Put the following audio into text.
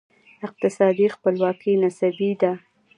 اقتصادي خپلواکي نسبي ده.